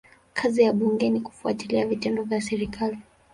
Kazi ya bunge ni kufuatilia vitendo vya serikali.